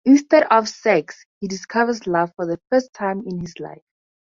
Instead of sex, he discovers love for the first time in his life.